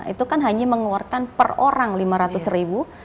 itu kan hanya mengeluarkan per orang lima ratus ribu